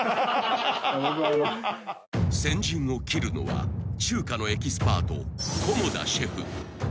［先陣を切るのは中華のエキスパート菰田シェフ］